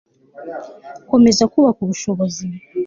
gukomeza kubaka ubushobozi